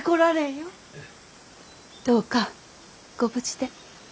どうかご無事で。